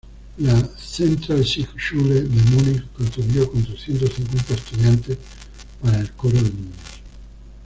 La "Zentral-Singschule" de Múnich contribuyó con trescientos cincuenta estudiantes para el coro de niños.